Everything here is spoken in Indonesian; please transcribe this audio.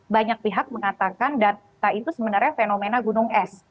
banyak pihak mengatakan data itu sebenarnya fenomena gunung es